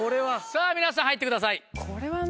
さぁ皆さん入ってください。